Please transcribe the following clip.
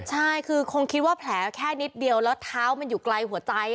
ใช่คือคงคิดว่าแผลแค่นิดเดียวแล้วเท้ามันอยู่ไกลหัวใจ